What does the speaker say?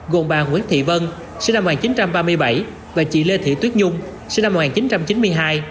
gồm bà nguyễn thị vân sinh năm một nghìn chín trăm ba mươi bảy và chị lê thị tuyết nhung sinh năm một nghìn chín trăm chín mươi hai